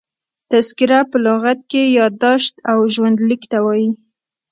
تذکره په لغت کښي یاداشت او ژوند لیک ته وايي.